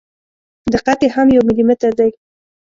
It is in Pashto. دقت یې هم یو ملي متر دی.